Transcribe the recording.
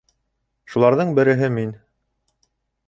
Шуларҙың береһе мин.